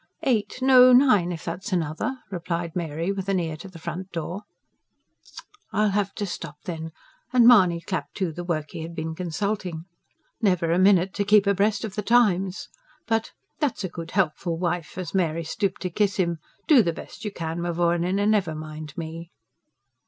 "Eight no, nine, if that's another," replied Mary, with an ear to the front door. "Tch! I'll have to stop then," and Mahony clapped to the work he had been consulting. "Never a minute to keep abreast of the times." But: "That's a good, helpful wife," as Mary stooped to kiss him. "Do the best you can, mavourneen, and never mind me."